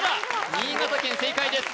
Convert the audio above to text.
新潟県正解です